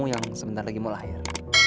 yang sebentar lagi mau lahir